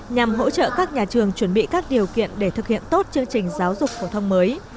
nhằm hỗ trợ các nhà trường chuẩn bị các điều kiện để thực hiện tốt chương trình giáo dục phổ thông mới